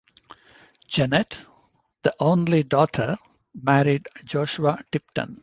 Janet, the only daughter, married Joshua Tipton.